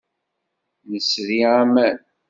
Nesri aman.